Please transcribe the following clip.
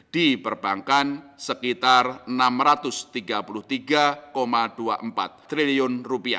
di perbankan sekitar rp enam ratus tiga puluh tiga dua puluh empat triliun